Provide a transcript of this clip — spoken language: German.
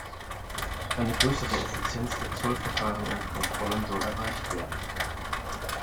Eine größere Effizienz der Zollverfahren und Kontrollen soll erreicht werden.